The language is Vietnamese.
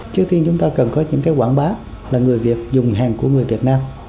trước tiên chúng ta cần có những cái quảng bá là người việt dùng hàng của người việt nam